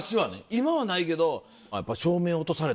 今はないけど。